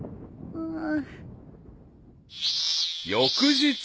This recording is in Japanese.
うん。